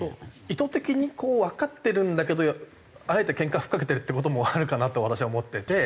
意図的にわかってるんだけどあえてけんか吹っかけてるって事もあるかなと私は思ってて。